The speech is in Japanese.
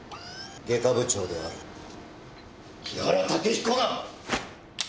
外科部長である木原毅彦だ！